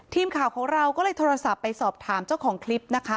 ทีมข่าวของเราก็เลยโทรศัพท์ไปสอบถามเจ้าของคลิปนะคะ